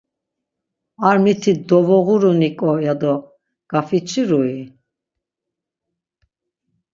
Ar miti dovoğuriniǩo, yado gafiçirui?